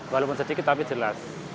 walaupun sedikit tapi jelas